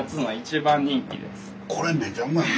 これめちゃうまいよ。